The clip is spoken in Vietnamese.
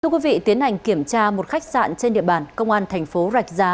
thưa quý vị tiến hành kiểm tra một khách sạn trên địa bàn công an thành phố rạch giá